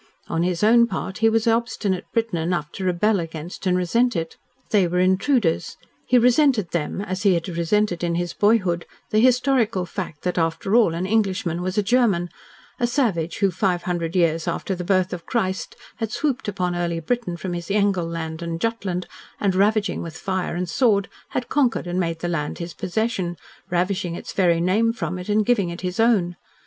On his own part he was obstinate Briton enough to rebel against and resent it. They were intruders. He resented them as he had resented in his boyhood the historical fact that, after all, an Englishman was a German a savage who, five hundred years after the birth of Christ, had swooped upon Early Briton from his Engleland and Jutland, and ravaging with fire and sword, had conquered and made the land his possession, ravishing its very name from it and giving it his own.